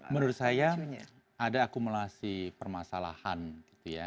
menurut saya ada akumulasi permasalahan gitu ya